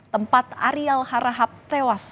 tempat ariel harahap tewas